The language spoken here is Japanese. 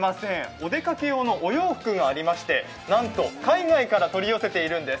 お出かけ用のお洋服がありましてなんと海外から取り寄せているんです。